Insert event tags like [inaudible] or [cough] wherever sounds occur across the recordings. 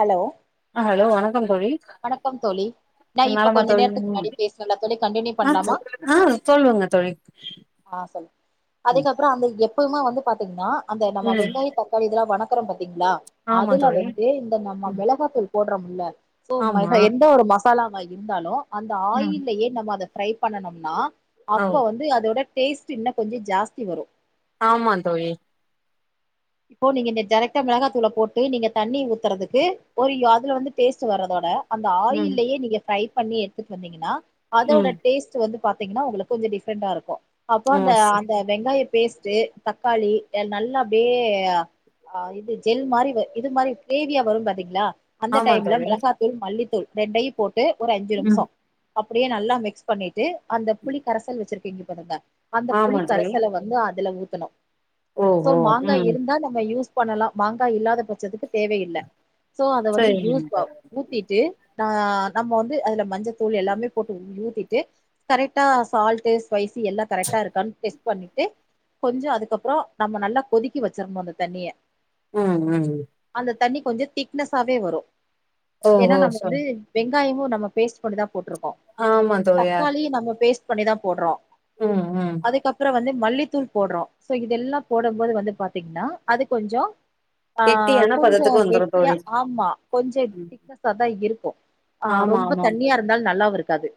Hello ஹ hello வணக்கம் தோழி வணக்கம் தோழி நா இப்ப நலமா கொஞ்ச தோழி நேரத்துக்கு முன்னாடி பேசுனேல தோழி கண்டினியூ ஆ பண்ணலாமா ஆ சொல்லுங்க தோழி ஆ சொல்லு ம் அதுக்கப்பறோ வந்து எப்பவுமே வந்து பாத்தீங்கன்னா அந்த நம்ம ம் வெங்காய கட் க்காளி இதலாம் வணக்குறோ பாத்தீங்களா ஆமா அதுல தோழி வந்து இந்த நம்ம ம் மெளகாத்தூள் போடுறோம்ல சோ ஆமா எந்த ஒரு மசாலாவா இருந்தாலும் அந்த ம் ஆயில்லயெ நம்ம அத ப்ரை பண்ணனோம்னா ஓ அப்ப வந்து அதோட டேஸ்ட் இன்னோ கொஞ்சோ ஜாஸ்தி வரும் ஆமா தோழி இப்போ நீங்க நீ டைரெக்டா மெளகாத்தூள போட்டு நீங்க தண்ணி ஊத்துறதுக்கு ஒரு அதுல வந்து டேஸ்ட் வரதோட அந்த ம் ஆயில்லயே நீங்க ப்ரை பண்ணி எடுத்துட்டு வந்தீங்கன்னா அதோட ம் டேஸ்ட் ட்டு வந்து பாத்தீங்கன்னா உங்களுக்கு கொஞ்ச டிப்ரெண்டா இருக்கும் அப்ப ஓ அந்த அந்த வெங்காய பேஸ்ட்டு தக்காளி நல்லா அப்டியே ய இது ஜெல் மாரி இது மாரி கிரேவியா வரு பாத்தீங்களா அந்த ஆமா டைம்ல தோழி மிளகா தூள் மல்லித்தூள் ரெண்டையு போட்டு ஒரு அஞ்சு நிமிச ம் அப்டியே நல்லா மிக்ஸ் பண்ணிட்டு அந்த புளி கரசல் வச்சிருக்கிங்க பாருங்க அந்த புளி ஆமா தோழி கரசல வந்து அதுல ஊத்தணு சோ ஓஹோ மாங்கா ம் இருந் தா நம்ம யூஸ் பண்ணலா மாங்கா இல்லாத பட்சத்துக்கு தேவையில்ல சோ அத வந்து யூஸ் சரிங்க தோழி ஊத்திட்டு ஆ நம்ம வந்து அதுல மஞ்சத்தூள் எல்லாமே போட்டு ஊத்திட்டு கரெட்டா சால்ட்டு ஸ்பைசி எல்லா கரெக்ட்டா இருக்கான் டெஸ்ட் பண்ணிட்டு கொஞ்சோ அதுக்கப்ற நம்ம நல்லா கொதிக்க வச்ச சறன்னு அந்த தண்ணிய ம் ம் அந்த தண்ணி கொஞ்சோ திக்னஸாவே வரு ஏன்னா ஓஹோ நம்ம சொ வந்து வெங்காயமு நம்ம பேஸ்ட் பண்ணிதா போட்ருக்கோ ஆமா தோழியா தக்காளியு நம்ம பேஸ்ட் பண்ணிதா போடுறோ ம் ம் அதுக்கப்பற வந்து மல்லித்தூள் போடுறோ சோ இதெல்லா போட போது வந்து பாத் தீங்னா அது கொஞ்சோ ஆ கெட்டியான கொஞ்சோ பதத்துக்கு வந்துரு கெட்டியா தோழி ஆமா கொஞ்சோ ம் திக்னெஸ்ஸாதா இருக்கு ஆ ஆமா ரொம்ப ஆமாம் தண்ணியா இருந்தாலு நல்லாவு இருக்காது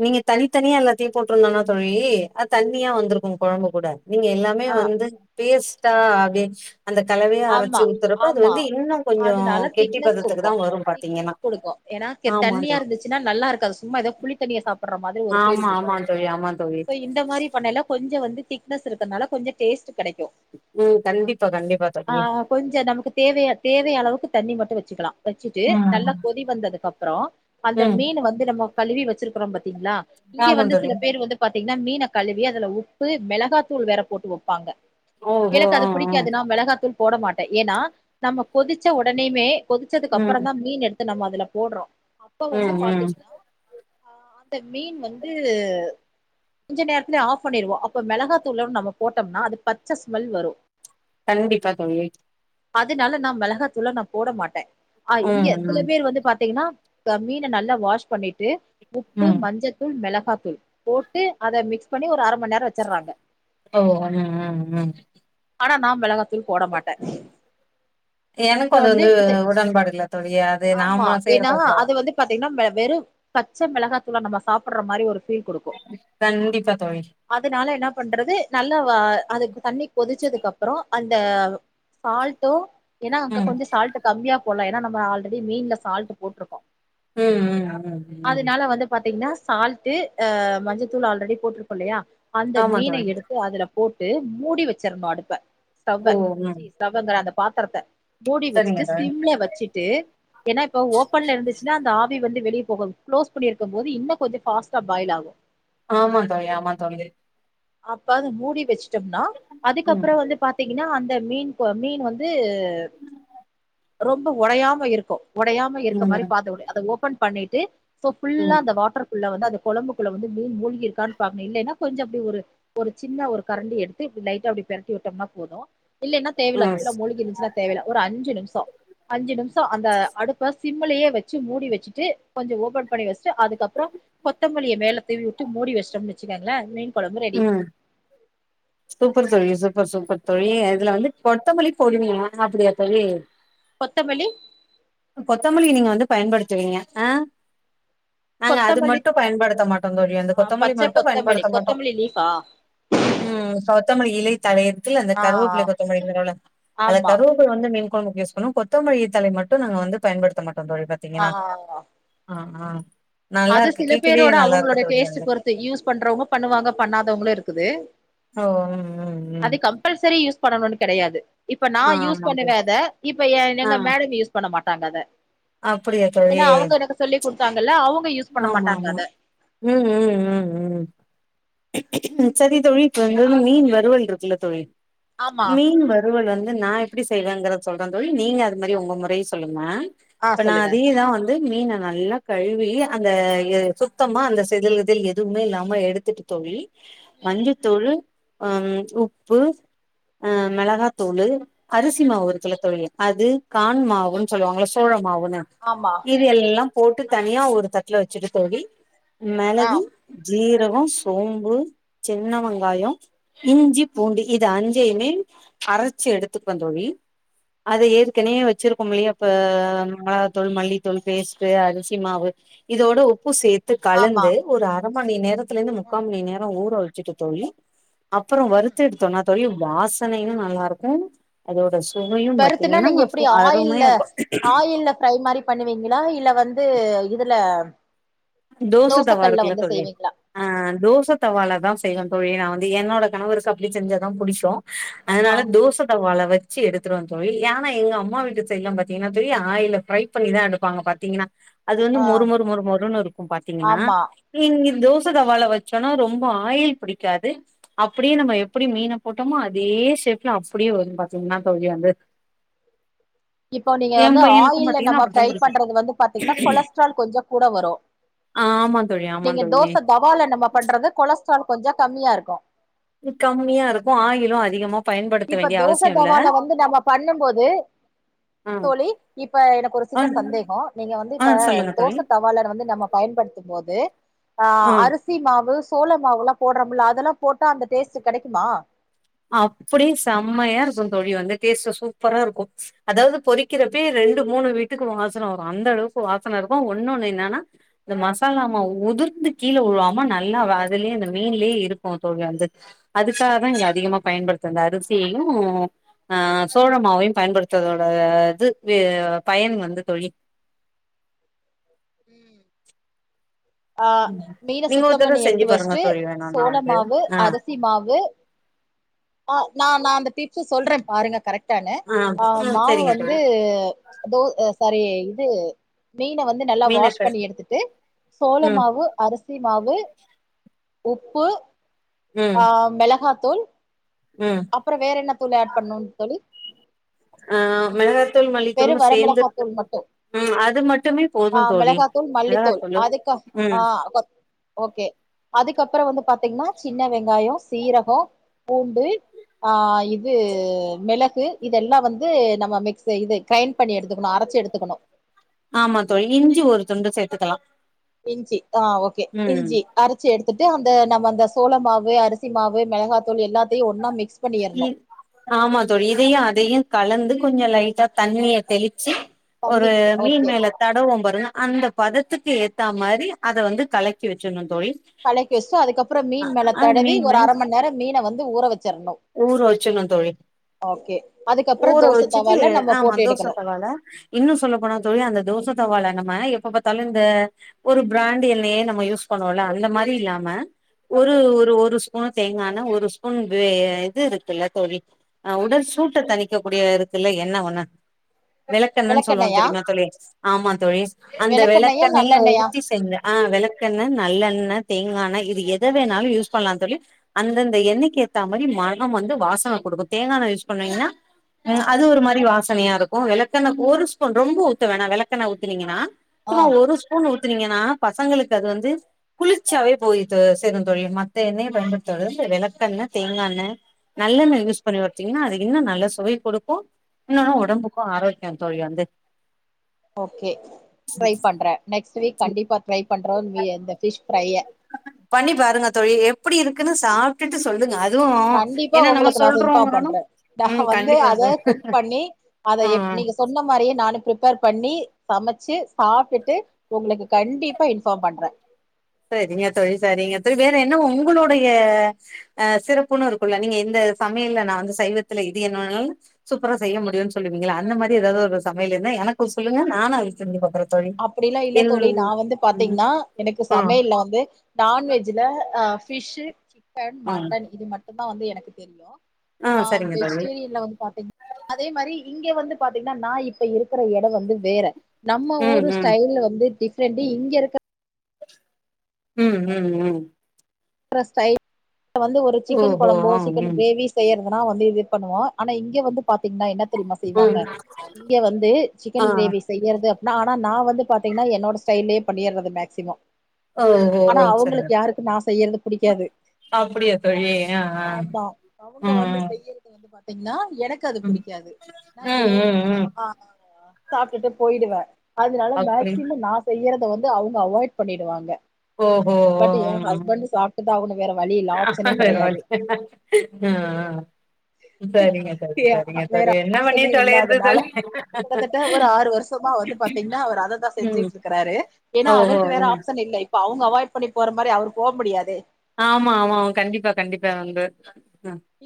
நீங்க தனித்தனியா எல்லாத்தையு போட்டிருந்தனா தோழி அது தண்ணியா வந்திருக்கு கொழம்பு கூட நீங்க எல்லா குலே ஆ வந்து பேஸ்ட்டா ஆகி அந்த கலவைய ஆமா அரச்சு ஊத்துறப்ப அது ஆமா வந்து இன்னு கொஞ்சோ அதனால கெட்டி திக்னஸ் பதத்துக்கு குடுக்கு தா வரு பாத்தீங்கனா திக்னஸ் குடுக்கு ஏன்னா தண்ணியா இருந்துச்சுனா நல்லாருக்காது சும்மா எதோ புளி தண்ணிய சாப் ற மாதிரி ஒரு ஃபீல் ஆமா ஆமா தோழி ஆமா தோழி. இருக்கு இந்த மாரி பண்ணல கொஞ்சோ வந்து திக்னஸ் இருக்கிறனால கொஞ்சோ டேஸ்ட் கெடைக்கு ம் கண்டிப்பா கண்டிப்பா ஆ தோழி. கொஞ்சோ நமக்கு தேவைய தேவைய அளவுக்கு தண்ணி மட்டு வச்சுக்கலா வச்சுட்டு ம். நல்லா கொதி வந்ததுக்கு அப்பற அந்த ம். மீன் வந் து நம்ம கழுவி வச்சிருக்குறோ பாத்தீங்ளா இங்க ஆமா வந்து தோழி. சில பேர் வந்து பாத்தீங்கனா மீன கழுவி அதுல உப்பு மெளகாத்தூள் வேற போட்டு வைப்பாங்க ஓஹோ! எனக்கு ஆ அது ஆ. புடிக்காதுனா மெளகாத்தூள் போட மாட்டே ஏன்னா நம்ம கொதிச்ச உடனேமே கொதிச்சதுக்கு அப்ற ம் தா மீன் எடுத்து நம்ம அதுல போடுறோ அப்ப வந்து ம் ம். பாத்தீங்கனா ஆ அந்த மீன் வந்து கொஞ்சோ நேரத்லயே ஆஃப் பண்ணிருவோ அப்ப மெளகாத்தூளோட நம்ம போட்டம்னா அது பச்ச ஸ்மெல் வரு கண்டிப்பா தோழி அதுனால நா மெளகாத்தூள நா போட மாட்ட ஆ ம் இங்க சில ம். பேர் வந்து பாத்தீங்னா த மீன நல்லா வாஷ் பண்ணிட்டு உப்பு ம். மஞ்ச தூள் மெளகா தூள் போட்டு அத மிக்ஸ் பண்ணி ஒரு அர மணி நேர வச்சுடுறாங்க ஓ அ ந அ அ ம அ ம ஆனா நா மெளகாத்தூள் போட மாட்ட எனக்கு அது வந்து உடன்பாடுல்ல தோழி அது நாமா செய்ற கொஞ்சோ பாத்தீங்கனா வெறு பச்ச மெளகாய்த்தூள நம்ம சாப்பட்ற மாரி ஒரு ஃபீல் குடுக்கு கண்டிப்பா தோழி அதுனால என்ன பண்றது நல்லா அதுக்கு தண்ணி கொதிச்சதுக்கு அப்ற அந்த சால்ட்டு ஏன்னா ம் அங்க கொஞ்சோ சால்ட்டு கம்மியா போட்லா ஏன்னா நம்ம ஆல்ரெடி மீன்ல சால்ட்டு போட்ருக்கோ ம் ம் ம் ம் அதுனால வந்து பாத்தீங்கனா சால் ட்டு மஞ்சத்தூள் ஆல்ரெடி போட்ருக்கோ இல்லயா அந்த ஆமா மீன தோழி எடுத்து அதுல போட்டு முடிவச்சிரணு அடுப்ப சவ்வ ஓ ம் ச சவ்ங்கிற அந்த பாத்திரத்த மூடி சரிங்க வச்சுட்டு தோழி சிம்ல வச்சிட்டு ஏன்னா இப்ப ஓப்பன்ல இருந்துசுனா அந்த ஆவி வந்து வெளியே போக க்ளோஸ் பண்ணிருக்கு போது இன்னு கொஞ்சோ பாஸ்டா பாயில் ஆகு ஆமா தோழி ஆமா தோழி அப்ப அதை மூடி வச்சுட்டோம்னா ம் அதுக்கப்றோ வந்து பாத்தீங்கன்னா அந்த மீன் மீன் வந்து ரொம்ப உடையாம இருக்கு உடையாம இருக்க ம் மாதிரி ம் பாத்து வுடு அத ஓபன் பண்ணிட்டு ச புல்லா ம் அந்த வாட்டர் ள்ள வந்து கும்புக்குள்ள வந்து மீன் முழுகி இருக்கான்னு பாக்கணு இல்லன்னா கொஞ்சோ அப்டி ஒரு ஒரு சின்ன ஒரு கரண்டி எடுத்து லைட்டா அப்டி பெரட்டி விட்டோம்னா போது இல்லன்ன ம் தேவையில் மூழ்கி இருந்துச்ச தேவையில்ல ஒரு அஞ்சு நிமிஷோ அஞ்சு நிமிஷோ அந்த அடுப்ப சிம்மலயே வச்சு மூடி வச்சிட்டு கொஞ்சோ ஓபன் பண்ணி வச்சிட்டு அதுக்கப்றோ கொத்தமல்லிய மேல தூவிட்டு மூடி வச்டோம்னு வச்சிக்கோங்க உ சூப்பர் தோழி சூப்பர் சூப்பர் தோழி இதுல வந்து கொத்தமல்லி பொடுவா அப்டியா தோழி கொத்தமல்லி கொத்தமல்லி நீங்க வந்து பயன்படுத்துவீங்க ஆ நாங்க அது கொத்தமல்லி மட்டும் பயன்படுத்த மாட்டோ தோழி அந்த ஆ கொத்தமொல்லி பச்ச மட்டும் கொத்தமல்லி பயன்படுத்த மாட்டோ கொத்தமல்லி லீஃபா ம் கொத்தமல்லி இலை தலையத்தில அந்த ஆ கருவபுள்ள கொத்தமல்லி அதுல ஆமா கருவ வந்து மீன் குழம்புக்கு யூஸ் பண்ணுவோ கொத்தமல்லிதலைய மட்டு நாங்க வந்து பயன்படுத்த மாட்டோ தோழி பாத்தீங்கன்னா ஆ ஆ ஆ நல்லா அது இருக்கு சில கேட்கவே பேரோட நல்லா இருக்கு அவுங்களோட தோழி டேஸ்ட் அந்த பொறுத்து யூஸ் பண்றவங்க பண்ணுவாங்க பண்ணாதவங்களு இருக்குது ஓ ம் ம் ம் அது கம்பல்சரி யூஸ் பண்ணும்னு கிடையாது இப்ப நா ஆ யூஸ் ஆமா தோழி பண்ணுனத ஏ ஆ எங்க மேடம் யூஸ் பண்ண மாட்டாங்க அத அப்படியா தோழி ஏன்னா அவுங்க எனக்கு சொல்லிக் கொடுத்தாங்க இல்ல அவுங்க ஆமா ஆமா ம் ம் ம் ம் செரி தோழி இப்ப வந்து மீன் வறுவல் இருக்குல்ல தோழி ஆமா மீன் வறுவல் வந்து நா எப்படி செய்வேங்கறத சொல்றே தோழி நீங்க அது மாதிரி உங்க முறை சொல்லுங்க ஆ அப்ப நா சொல்லுங்க அதே தா வந்து மீனை நல்லா கழுவி அந்த சுத்தமா அந்த செதில்கிதில் எதுவுமே இல்லாம எடுத்துட்டு தோழி மஞ்சத்தூளு ம் உப்பு ஆ மிளகாத்தூளு அரிசி மாவு இருக்குல்ல தோழி அது காண் மாவுன்னு சொல்லுவாங்களா சோள மாவுன்னு ஆமா இது எல்லா போட்டு தனியா ஒரு தட்டுல வச்சிட்டு தோழி ஆ மிளகு ஜீரகம் சோம்பு சின்ன வெங்காயோ இஞ்சி பூண்டு இத அஞ்சையுமே அரைச்சி எடுத்துக்குவே தோழி அத ஏற்கனவே வச்ச வச்சிருக்கோ இல்லையா இப்ப மிளத்தூள் மல்லித்தூள் பேஸ்ட் அரிசி மாவு இதோட உப்பு சேத்து ஆமா கலந்து ஒரு அரை மணி நேரத்துல இருந்து முக்கால் மணி நேரோ ஊற வச் வச்சிட்டு தோழி அப்றோ வறுத்து எடுத்தோன்னா தோழி வாசன்னையு நல்லா இருக்கு அதோட சுவையு வறுத்துனா பாத்தீங்கன்னா அருமையா இருக்கு இல்ல ஃப்ரை மாரி பண்ணுவீங்களா இல்ல வந்து இதுல தோச தவா தோசக்கல்ல இருக்குல்ல வந்து தோழி செய்வீங்களா ஆ தோச தவால தா செய்வே தோழி நா வந்து என்னோட கணவருக்கு அப்டி செஞ்சதா புடிக்கு ஆ அதனால தோச தவால வச் வச்சி எடுத்துருவே தோழி ஏனா எங்க அம்மா வீட்டு சைடுலா பாத்தீங்கன்னா ஆயில் அ ஃப்ரை பண்ணிதா எடுப்பாங்க பாத்தீங்கன்னா அது வந்து ஆ மொறு மொறு மொறு மொறுன்னு இருக்கு பாத்தீங்கன்னா ஆமா நீங்க தோச தவால வச்சோன்னா ரொம்ப ஆயில் பிடிக்காது அப்டியே நம்ம எப்டி மீன போட்டோமோ அதே ஷேப்ல அப்டியே வரு பாத்தீங்கன்னா தோழி அது [inaudible] இப்போ நீங்க வந்து பையனுக்கும் ஆயில் ல பாத்தீங்கன்னா நம்ம அப்படித்தா ஃப்ரை குடுப்பே பண்றது வந்து பாத்தீங்கன்னா கொலஸ்ட்ரால் கொஞ்சோ கூட வரு ஆமா தோழி ஆமா நீங்க தோழி தோச தவால நம்ம பண்றது கொலஸ்ட்ரால் கொஞ்சோ கம்மியா இருக்கு கம்மியா இருக்கு ஆயிலு அதிகமா பயன்படுத்த இப்ப வேண்டிய தோச அவசியோ இல்ல தவால வந்து நம்ம பண்ணு போது ஆ தோழி இப்ப எனக்கு ஒரு ஆ சின்ன சந்தேகோ நீங்க வந்து ஆ இப்ப சொல்லுங்க தோச தோழி தவ் தவா ல வந்து நம்ம பயன்படுத்து போது ஆ அரி ம் அரிசி மாவு சோள மாவுலா போடுறமுல்ல அதெல்லா போட்டா அந்த டேஸ்ட் கிடைக்குமா அப்டியே செம்மையா இருக்கு தோழி வந்து டேஸ்ட் சூப்பரா இருக்கு ச் அதாவது பொறிக் வக்கிறப்பையே ரெண்டு மூணு வீட்டுக்கு வாசன வரு அந்த அளவுக்கு வாசன இருக்கு ஒண்ணுன்னு என்னன்னா இந்த மசாலாம உதிர்த்து கீழ வுழுவாம நல்லா அதுலயே இந்த மீன்லேயே இருக்கு தோழி வந்து அதுக்காக தா இங்க அதிகமா பயன்படுத்துறது அரிசியையு ஆ சோளமாவயு பயன்படுத்றதோட இது பயன் வந்து தோழி [inaudible] ஆ மீன நீங்க சுத்தோ ஒரு தடவ பண்ணி செஞ்சு எடுத்து பாருங்க வச்சிட்டு தோழி வேணும்னா சோள வந்து மாவு ஆ அரி மாவு ஆ ந நா அந்த டிப்ஸ் அ சொல்றே பாருங்க கரெக்ட் டானு ஆ ஆ மாவு சரிங்க வந்து தோழி தோ சாரி இது மீன வந்து நல்லா வாஷ் மீனக்கறி பண்ணி எடுத்துட்டு சோள ம் மாவு அரிசி மாவு உப்பு ஆ ம் மெளகாத்தூள் ம் அப்றோ வேற என்ன தூள் ஆட் பண்ணுன்னனு தோழி ஆ மெளகாத்தூள் வெறு மல்லித்தூள்னு வர சேர்ந்து மிளகாத்தூள் இருக்கிறது மட்டு இருக்கு ம் அது மட்டுமே போது ஆ தோழி மிளகாத்தூள் மிளகாய் மல்லித்தூள் தூள் அதுக்கு ஆ ம் ஓகே அதுக்கப்பறோ வந்து பாத்தீங்கன்னா சின்ன வெங்காயோ சீரகோ பூண்டு ஆ இது மெளகு இதெல்லா வந்து நம்ம மிக்ஸ் ச இது கிரைண்ட் பண்ணி எடுத்துக்கணு அரச்சு எடுக்கணு ஆமா தோழி இஞ்சி ஒரு துண்டு சேத்துக்கலா இஞ்சி ஆ ஓகே ம் இஞ்சி அரச்சு எடுத்துட்டு அந்த நம்ம அந்த சோள மாவு அரிசி மாவு மெளகாத்தூள் எல்லாத்தையு ஒன்னா மிக்ஸ் பண்ணிரணு ஆமா தோழி இதையு அதையு கலந்து கொஞ்சோ லைட்டா தண்ணிய தெளிச்சு ஒரு பண்ணி மீன் ஓகே மேல தடவுவோ பாருங்க அந்த பதத்துக்கு ஏத்தா மாரி அத வந்து கலக்கி வச்சிர்னு தோழி கலக்கி வச்சுட்டு அதுக்கப்பறோ மீன் மேல அது தடவி மீன் ஒரு அர மண் நேரோ மீன வந்து ஊற வச்சிர்னு ஊர வைச்சிரனு தோழி அதுக்கப்புறோ ஊற தோச வச்சுட்டு தவால நம்ம ஆமா போட்டு தோச எடுக்கணு தவால இன்னு சொல்ல போனா தோழி அந்த தோச தவால நம்ம எப்ப பத்தாலு இந்த ஒரு பிராண்ட் என்னையே நம்ம யூஸ் பண்ணுவோல அந்த மாரி இல்லாம ஒரு ஒரு ஒரு ஸ்பூன் தேங்கா எண்ணெ ஒரு ஸ்பூன் இது இருக்கல்ல தோழி அ உடல் சூட்ட தணிக்க கூடிய இருக்கல்ல என்ன ஒண்ணு விளக்கெண்ணென்னு சொல்லுவோம் விளக்கெண்ணயா தெரிமா தோழி ஆமா தோழி அந்த விளக்கெண்ணயா விளக்கெண்ணைய நல்லெண்ணயா ஊத்தி செஞ்ச ஆ விளக்கெண்ண நல்லெண்ண தேங்கா எண்ணெ இத வேணாலு யூஸ் பண்லான் தோழி அந்தந்த எண்ணெய்க்கு ஏத்த மாரி ம னம் வந்து வாசன குடுக்கு தேங்கா எண்ணெ யூஸ் பண்ணுவீங்கன்னா ஆ அது ஒரு மாரி வா சனயா இருக்கு விளக்கெண்ண ஒரு ஸ்பூன் ரொம்ப ஊத்த வேணா விளக்கெண்ண ஊத்தனீங்கன்னா ஆ சும்மா ஒரு ஸ்பூண் ஊத்துனீங்கன்னா பசங்களுக்கு அது வந்து குளிர்ச்சியாவே போய் தொ சேருந் தோழி மத்த எண்ணெய் பயன்படுத்தலந்து விளக்கெண்ணெ தேங்கா எண்ணெ நல்லெண்ண ம் யூஸ் பண்ணி வெச்சீங்கன்னா அது இன்னு நல்ல சுவை குடுக்கு இன்னொன்னு ம் ஒடம்பு க்கு ஆரோக்கியோந் தோழி வந்து ஓகே ட்ரை பண்ற நெக்ஸ்ட் வீக் கண்டிப்பா ட்ரை பண்றோ இ இந்த ஃபிஷ் ஃப்ரைய பண்ணி பாருங்க தோழி எப்டி இருக்குனு சாப்ட்டுட்டு சொல்லுங்க அதுவு கண்டிப்பா ஏன்னா நம்ம உங்களுக்கு நா இன்ஃபார்ம் சொல்றோங்கறனு பண்ற நா ம் வந்து கண்டிப்பா அத சார் குக் பண்ணி அத எ ம் நீங்க சொன்ன மாரியே நானு ப்ரிப்பேர் பண்ணி சமச்சு சாப்ட்டுட்டு உங்களுக்கு கண்டிப்பா இன்பார்ம் பண்ற சரிங்க தோழி சரிங்க தோழி வேற என்ன உங்களுடைய அ சிறப்புன்னு இருக்குள்ள நீங்க இந்த சமையல்ல நா வந்து சைவத்துல இது என்னால சூப்பரா செய்ய முடியுன்னு சொல்லுவீங்கல்ல அந்த மாரி எதாவது ஒரு சமையல் இருந்தா எனக்கு ஒரு சொல்லுங்க நானு அது செஞ்சு பாக்கற தோழி அப்டியெல்லா இல்ல என் தோழி நா வந்து ம் பாத்தீங்னா எனக்கு ஆ சமையல்ல வந்து நான்வெஜ்ல அ ஃபிஷு, சிக்கன், ஆ மட்டன் இது மட்டு ந்தா வந்து எனக்கு தெரியு ஆ சரிங்க தோழி வெஜிடேரியன்ல வந்து பாத்தீங் அதே மாரி இங்க வந்து பாத்தீங்கன்னா நா இப்ப இருக்கிற எடோ வந்து வேற நம்ம ஊர் ம் ம் ல வந்து டிஃப்ரெண்ட் இங்க இருக்க ம் ம் ம் அப்றோ ஸ்டை வந்து ஒரு சிக்கன் ஓஹோ கொழம்போ ஆ சிக்கன் ம் கிரேவி செய்யறதுனா வந்து இது பண்ணுவோ ஆனா இங்க வந்து பாத்தீங்னா என்ன தெரிமா செய்வாங்க ம் இங்க வந்து ஆ சிக்கன் கிரேவி செய்யறது அப்டினா ஆனா நா வந்து பாத்தீங்கன்னா என்னோட ஸ்டைலயே பண்ணிர்றது மேக்சிமம் ஓ ஓ ஆனா ஓ சரிங்க அவங்களுக்கு யாருக்கு நா செய்யறது புடிக்காது அப்படியா தோழி அ அ ம் ம் இப்ப வந்து பாத்தீங்கன்னா எனக்கு அது புடிக்காது நா ம் ம் எதோ ம் ம் ஆ சாப்ட்டுட்டு போயிடுவேன் அதனால அப்படி மேக்சிமம் நா செய்யறத வந்து அவங்க அவாய்ட் பண்ணிடுவாங்க ஓஹோ ஓ பட் என் ம் ம். ஹஸ்பண்ட்டு சா ப்டுதா ஆகனு வேற வழி இல்ல ஆப்ஷனே வேற கெடையாது வழி ஆ சரிங்க தோழி எ சரிங்க வேற தோழி என்ன பண்ணி ஆப்ஷனே தொலையறது இல்லாதனால தோழி கிட்டத்தட்ட ஒரு ஆறு வரு ஷமா வந்து பாத்தீங்னா அவர் அததான் ம் செஞ்சிட்டு இருக்காரு ஏனா ஓஹோ அவருக்கு வேற ஆப்ஷன் இல்லல்ல இப்ப அவுங்க அவாய்ட் பண்ணி போற மாரி அவர் போ முடியாதே ஆமாமா கண்டிப்பா கண்டிப்பா வந்து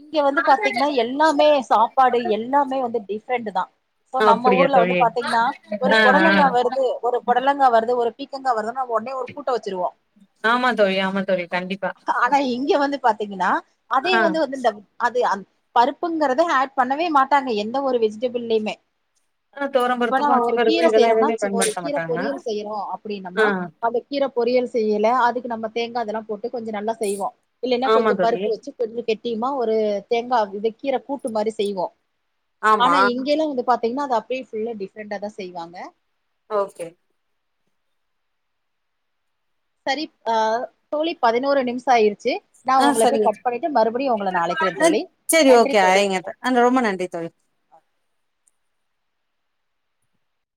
இங்க வந்து பாத்தீங்னா எல்லாமே சாப்பாடு எல்லாமே வந்து டிஃப்ரெண்ட்தா இப்போ நம்ம அப்டியா ஊர்ல வந்து தோழி பாத்தீங்னா ஒரு ஆ ஆ புடலங்கா வருது ஒரு புடலங்கா வருது ஒரு பீக்கங்கா வருதுனா ஒடனே ஒரு கூட்ட வெச்சிருவோ ஆமா தோழி ஆமா தோழி கண்டிப்பா ஆனா இங்க வந்து பாத்தீங்னா அதே ஆ வந்து இது இந்த அது அந் பருப்புங்கிறதே ஆட் பண்ணவே மாட்டாங்க எந்த ஒரு வெஜிடபிள்லயுமே ஆ துவரம் பருப்பு இப்பல்லா பாசி ஒரு பருப்பு கீர இதெல்லா செய்யறம்னா எதுவுமே ஒரு பயன்படுத்த கீர மாட்டாங்க பொரியல் செய்யறோ அப்டின்னம்னா ஆ அத கீரை பொரியல் செய்யலை அதுக்கு நம்ம தேங்கா இதெல்லா போட்டு கொஞ்சோ நல்லா செய்வோ இல்லன்னா ஆமா கொஞ்சோ தோழி பருப்பு வச்சு கொஞ்சோ கெட்டியுமா ஒரு தேங்கா இத கீரை கூட்டு மாரி செய்வோ ஆனா ஆமா இங்கல்லா வந்து பாத்தீங்கன்னா அது அப்பயே ஃபுல்ல டிப்ரண்டா தா செய்வாங்க ஓகே சரி ஆ தோழி பதினோரு நிமிஷ ஆயிருச்சு நா ஆ உங்களுக்கு சரிங்க கட் பண்ணிட்டு மறுபடியு உங்களை நா அழைக்கிறே தோழி நன்றி தோழி அ ரொம்ப நன்றி தோழி